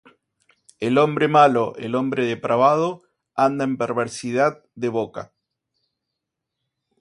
El hombre malo, el hombre depravado, Anda en perversidad de boca;